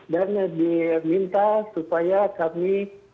dan diminta supaya kami